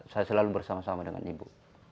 saya selalu bersama sama dengan ibu